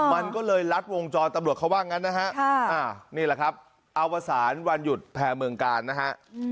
มันก็เลยลัดวงจรตำรวจเขาว่างั้นนะฮะนี่แหละครับอวสารวันหยุดแพร่เมืองกาลนะฮะ